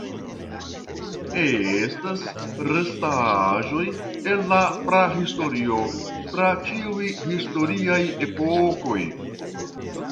Estas restaĵoj el la prahistorio tra ĉiuj historiaj epokoj.